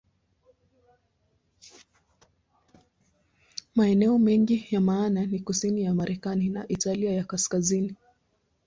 Maeneo mengine ya maana ni kusini ya Marekani na Italia ya Kaskazini.